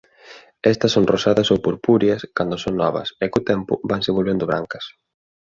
Estas son rosadas ou purpúreas cando son novas e co tempo vanse volvendo brancas.